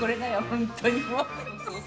本当にもう。